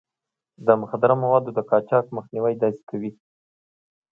د مخدره موادو د قاچاق مخنيوی داسې کوي.